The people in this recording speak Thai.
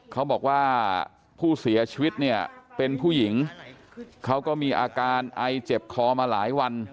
เขาบอกว่าผู้เสียชีวิตเนี่ยเป็นผู้หญิงเขาก็มีอาการไอเจ็บคอมาหลายวัน